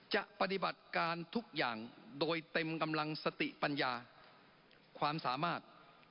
ปฏิบัติการทุกอย่างโดยเต็มกำลังสติปัญญาความสามารถ